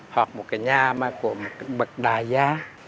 hoặc một cái nhà mà của một bậc đại gia